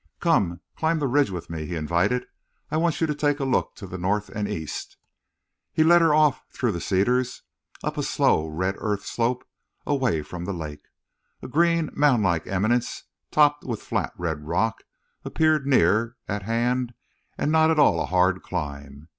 "Come, climb the ridge with me," he invited. "I want you to take a look to the north and east." He led her off through the cedars, up a slow red earth slope, away from the lake. A green moundlike eminence topped with flat red rock appeared near at hand and not at all a hard climb.